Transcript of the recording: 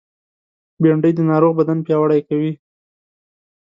بېنډۍ د ناروغ بدن پیاوړی کوي